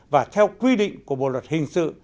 và theo quy định của bộ luật hình sự